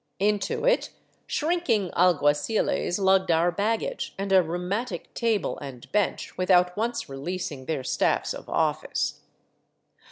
Into it shrinking alguaciles lugged our baggage and a rheumatic table and bench, without once releasing their staffs of of^ce.